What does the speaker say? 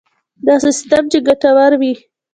داسې سیستم چې ګټور وي.